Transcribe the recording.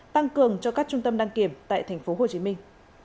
tăng cường cho các trung tâm đăng kiểm tại thành phố hồ chí minh